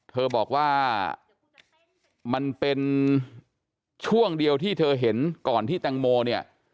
เธอบอกว่ามันเป็นช่วงเดียวที่เธอเห็นก่อนที่แตงโมเนี่ย